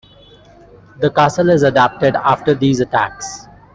The castle is adapted after these attacks.